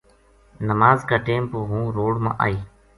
نماز کا ٹیم پو ہوں روڑ ما آئی